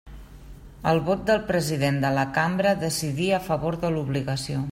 El vot del president de la cambra decidí a favor de l'obligació.